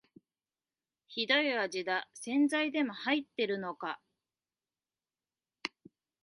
ひどい味だ、洗剤でも入ってるのか